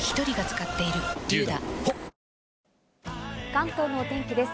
関東のお天気です。